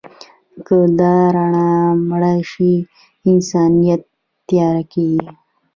که دا رڼا مړه شي، انسانیت تیاره کېږي.